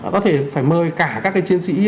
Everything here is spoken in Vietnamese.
có thể phải mời cả các cái chiến sĩ